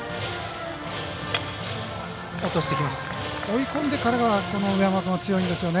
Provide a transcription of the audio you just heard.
追い込んでからが上山君、強いんですよね。